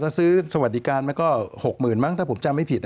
แล้วซื้อสวัสดิการมันก็๖๐๐๐มั้งถ้าผมจำไม่ผิด